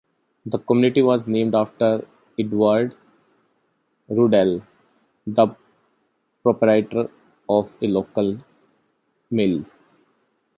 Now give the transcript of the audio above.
The community was named after Edward Ruddle, the proprietor of a local mill.